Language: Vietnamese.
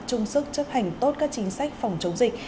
chung sức chấp hành tốt các chính sách phòng chống dịch